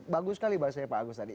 bagus sekali bahasanya pak agus tadi